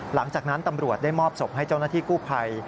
หลังจากนั้นตำรวจได้มอบศพให้เจ้าหน้าที่กู้ภัย